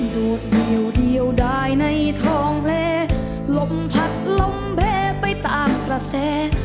ดูดเดียวเดียวได้ในทองเลลมผัดลมแพ้ไปต่างกระแส